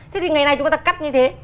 thế thì ngày nay chúng ta cắt như thế